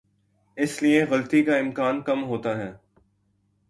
اس لیے غلطی کا امکان کم ہوتا ہے۔